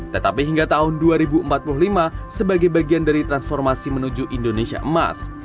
tetapi hingga tahun dua ribu empat puluh lima sebagai bagian dari transformasi menuju indonesia emas